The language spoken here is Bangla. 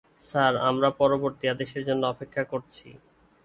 স্যার, আমরা পরবর্তী আদেশের জন্য অপেক্ষা করছি।